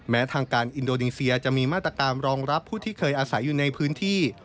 ทางการอินโดนีเซียจะมีมาตรการรองรับผู้ที่เคยอาศัยอยู่ในพื้นที่